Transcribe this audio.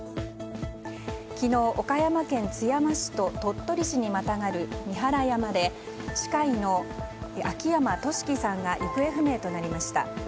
昨日、岡山県津山市と鳥取市にまたがる三原山で歯科医の秋山俊樹さんが行方不明となりました。